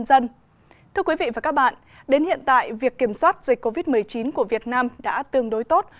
sau khi việc kiểm soát dịch covid một mươi chín của việt nam đã tương đối tốt